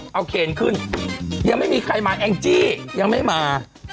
เอาเคนขึ้นยังไม่มีใครมาแองจี้ยังไม่มา